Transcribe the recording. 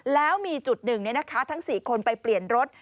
แล้วมีจุดหนึ่งทั้ง๔คนไปเปลี่ยนรถ